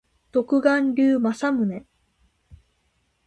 独眼竜政宗